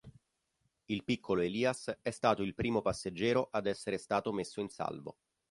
Il piccolo Elias è stato il primo passeggero ad essere stato messo in salvo.